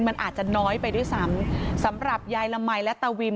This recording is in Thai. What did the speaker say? มันอาจจะน้อยไปด้วยซ้ำสำหรับยายละมัยและตาวิน